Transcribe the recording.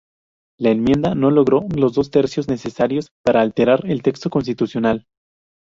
La enmienda no logró los dos tercios necesarios para alterar el texto constitucional.